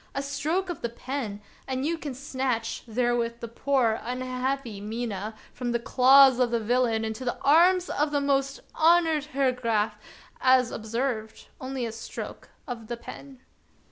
A stroke of the pen, and you snatch therewith the poor, unhappy Mina 62 The Wonderful History from the claws of the villain into the arms of the most honored Herr Graf; as observed, only a stroke of the pen."